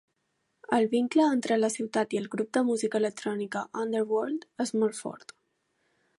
El vincle entre la ciutat i el grup de música electrònica Underworld és molt fort.